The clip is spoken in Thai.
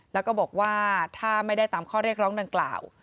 แล้วก็บอกว่าถ้าไม่ได้ตามข้อเรียกร้องดังกล่าว